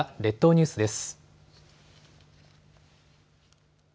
列島ニュースです。